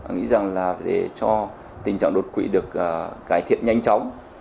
nghĩ rằng là để cho tình trạng đột quỵ được cải thiện nhanh chóng